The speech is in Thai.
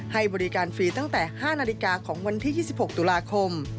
ให้บริการฟรีตั้งแต่๕นาฬิกาของวันที่๒๖ตุลาคม